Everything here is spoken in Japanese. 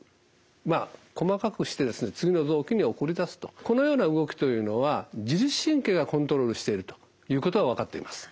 まあ細かくして次の臓器に送り出すとこのような動きというのは自律神経がコントロールしているということが分かっています。